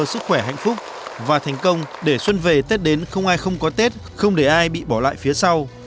sức khỏe hạnh phúc và thành công để xuân về tết đến không ai không có tết không để ai bị bỏ lại phía sau